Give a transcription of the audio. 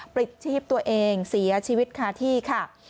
ปลิดชีพตัวเองเสียชีวิตคาที่ค่ะ